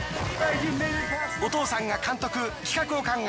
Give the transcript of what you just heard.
お父さんが監督企画を考え